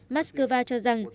moscow cho rằng